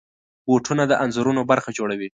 بوټونه د انځورونو برخه جوړوي.